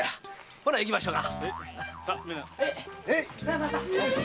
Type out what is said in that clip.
ほな行きましょう。